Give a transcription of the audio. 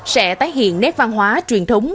sẽ tái hiện nét văn hóa truyền thống